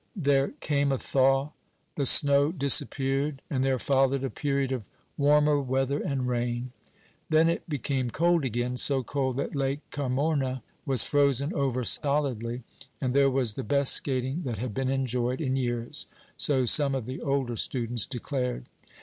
There came a thaw. The snow disappeared, and there followed a period of warmer weather and rain. Then it became cold again, so cold that Lake Carmona was frozen over solidly, and there was the best skating that had been enjoyed in years, so some of the older students declared.